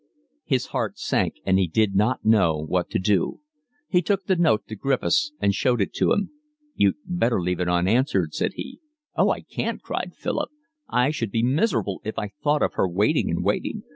His heart sank, and he did not know what to do. He took the note to Griffiths and showed it to him. "You'd better leave it unanswered," said he. "Oh, I can't," cried Philip. "I should be miserable if I thought of her waiting and waiting.